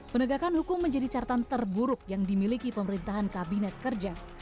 penegakan hukum menjadi catatan terburuk yang dimiliki pemerintahan kabinet kerja